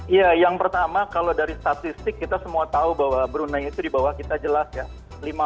iya yang pertama kalau dari statistik kita semua tahu bahwa brunei itu dibawah kita jelas ya lima